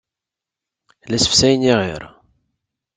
La ssefsayen iɣir.